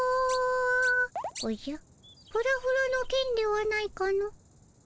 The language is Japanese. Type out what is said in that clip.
おじゃフラフラのケンではないかの？